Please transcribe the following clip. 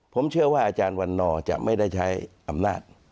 ผมเชื่อว่าอาจารย์วันนอร์จะไม่ได้ใช้อำนาจ